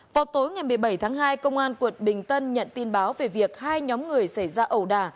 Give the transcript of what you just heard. vào tối ngày một mươi bảy tháng hai công an quận bình tân nhận tin báo về việc hai nhóm người xảy ra ẩu đà